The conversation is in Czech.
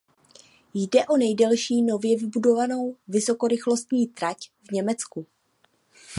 Jde o nejdelší nově vybudovanou vysokorychlostní trať v Německu.